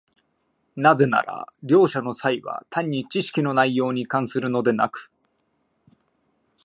なぜなら両者の差異は単に知識の内容に関するのでなく、